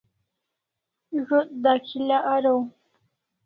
Zo't dakhi'la araw